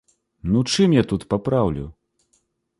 Ну чым я тут папраўлю?!